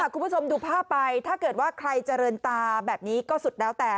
คุณผู้ชมดูภาพไปถ้าเกิดว่าใครเจริญตาแบบนี้ก็สุดแล้วแต่